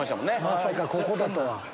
まさかここだとは。